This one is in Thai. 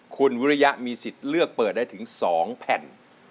คุณวิริยะมีสิทธิ์เลือกเปิดได้ถึง๒แผ่น